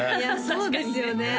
そうですよね